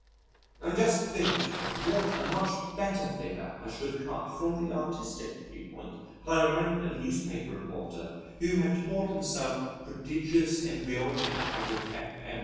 Now just think what a much better figure I should have cut, from the artistic view point, had I remained a newspaper reporter who had taught himself prodigious embryology out of F.M.